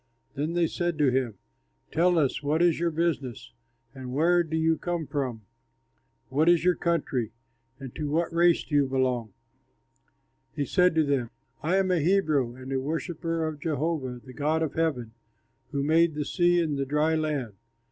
Then they said to him, "Tell us, what is your business, and where do you come from? What is your country and to what race do you belong?" He said to them, "I am a Hebrew, and a worshipper of Jehovah, the God of heaven, who made the sea and the dry land."